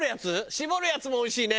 搾るやつもおいしいね。